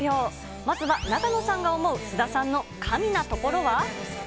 まずは永野さんの思う菅田さんの神なところは？